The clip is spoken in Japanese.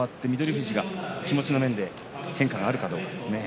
富士が気持ちの面で変化があるかどうか。